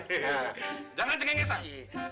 jangan cengenges ah